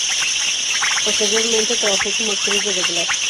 Posteriormente, trabajó como actriz de doblaje.